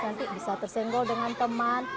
nanti bisa tersenggol dengan teman